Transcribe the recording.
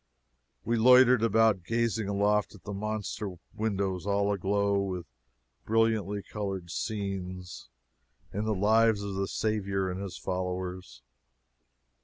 We loitered about gazing aloft at the monster windows all aglow with brilliantly colored scenes in the lives of the Saviour and his followers.